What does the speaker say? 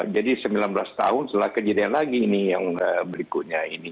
jadi sembilan belas tahun setelah kejadian lagi ini yang berikutnya ini